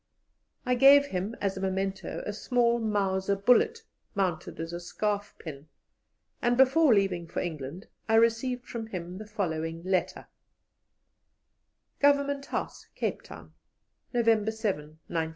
I gave him as a memento a small Mauser bullet mounted as a scarf pin, and before leaving for England I received from him the following letter: "GOVERNMENT HOUSE, "CAPE TOWN, "_November 7, 1900.